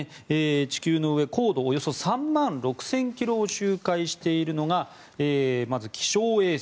地球の上高度およそ３万６０００ｋｍを周回しているのがまず気象衛星。